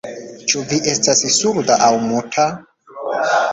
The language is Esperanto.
Ĉu vi estas surda aŭ muta?